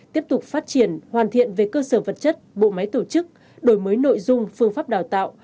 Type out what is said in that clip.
tiếp tục phát triển hoàn thiện về cơ sở vật chất bộ máy tổ chức đổi mới nội dung phương pháp đào tạo